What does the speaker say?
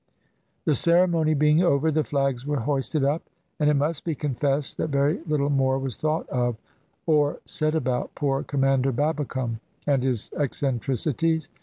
The ceremony being over, the flags were hoisted up, and it must be confessed that very little more was thought of or said about poor Commander Babbicome and his eccentricities.